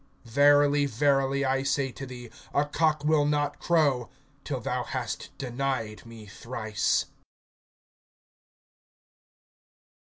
Verily, verily, I say to thee, a cock will not crow, till thou hast denied me thrice.